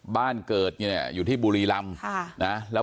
บ้านเกิดอยู่ที่บุรีรำนะ